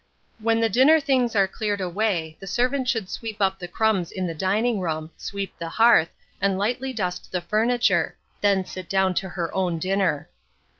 When the dinner things are cleared away, the servant should sweep up the crumbs in the dining room, sweep the hearth, and lightly dust the furniture, then sit down to her own dinner.